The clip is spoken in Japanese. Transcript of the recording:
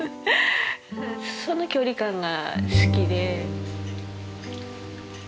その距離感が好きで。